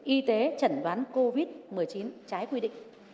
y tế chẩn đoán covid một mươi chín trái quy định